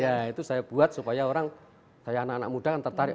ya itu saya buat supaya orang kayak anak anak muda kan tertarik